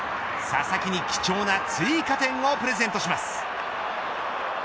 佐々木に貴重な追加点をプレゼントします。